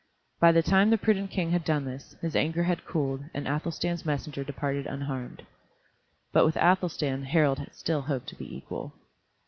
By the time the prudent King had done this, his anger had cooled, and Athelstan's messenger departed unharmed. But with Athelstan Harald still hoped to be equal.